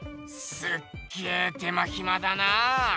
すっげえ手間ひまだな。